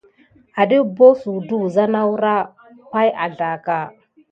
Wazldé naku azanke aoura siva muzutada de pay ka.